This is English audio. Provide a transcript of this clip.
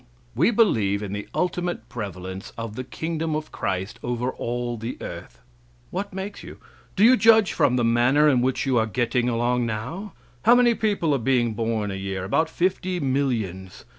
"We believe in the ultimate prevalence of the Kingdom of Christ over all the earth." What makes you? Do you judge from the manner in which you are getting along now? How many people are being born a year? About fifty millions.